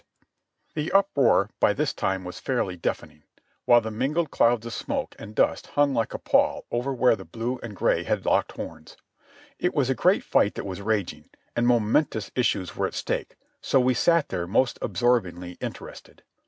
SIGHTS AND SCENES IN PRISON 193 The uproar was by this time fairly deafening, while the mingled clouds of smoke and dust hung like a pall over where the blue and gray had locked horns. It was a great fight that was raging, and momentous issues were at stake, so we sat there most absorb ingly interested.